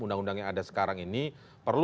undang undang yang ada sekarang ini perlu